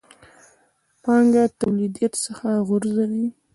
پانګه توليديت څخه غورځېږي.